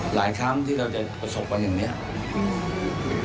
หลายครั้งที่เราจะประสบกันอย่างนี้